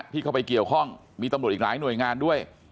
ที่เข้าไปเกี่ยวข้องมีตำรวจอีกหลายหน่วยงานด้วย